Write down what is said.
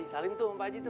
salim tuh pak haji tuh